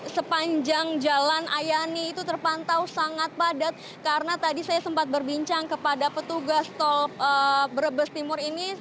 sepanjang jalan ayani itu terpantau sangat padat karena tadi saya sempat berbincang kepada petugas tol brebes timur ini